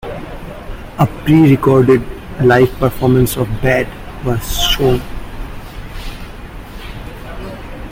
A pre-recorded live performance of "Bad" was shown.